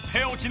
お！